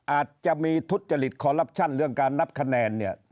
อาจจะมีทุจริตคอลลับชั่นเรื่องการนับคะแนนเนี่ย